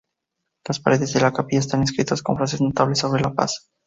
Las paredes de la capilla están inscritas con frases notables sobre la paz.